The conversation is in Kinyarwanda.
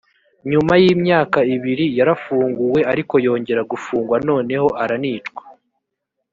nyuma y’imyaka ibiri yarafunguwe ariko yongera gufungwa noneho aranicwa.